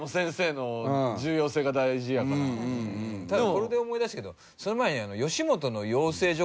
これで思い出したけどその前に吉本の養成所